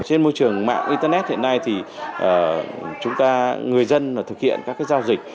trên môi trường mạng internet hiện nay thì chúng ta người dân thực hiện các giao dịch